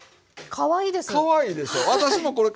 かわいいですね。